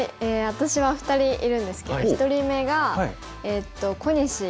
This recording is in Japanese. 私は２人いるんですけど１人目が小西理章初段。